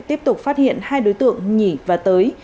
tiếp tục phát hiện hai đối tượng nhỉ và tới